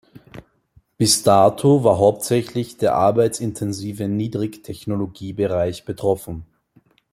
Bis dato war hauptsächlich der arbeitsintensive Niedrigtechnologiebereich betroffen.